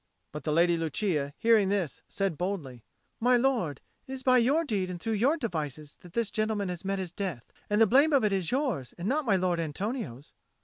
But the Lady Lucia, hearing this, said boldly, "My lord, it is by your deed and through your devices that this gentleman has met his death, and the blame of it is yours, and not my lord Antonio's."